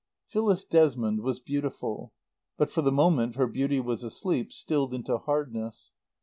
Phyllis Desmond was beautiful. But for the moment her beauty was asleep, stilled into hardness.